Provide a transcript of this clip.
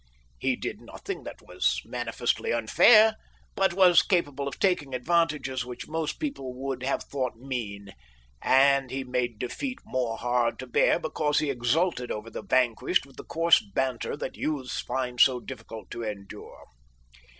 He did nothing that was manifestly unfair, but was capable of taking advantages which most people would have thought mean; and he made defeat more hard to bear because he exulted over the vanquished with the coarse banter that youths find so difficult to endure.